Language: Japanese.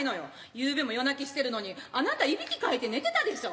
ゆうべも夜泣きしてるのにあなたいびきかいて寝てたでしょ。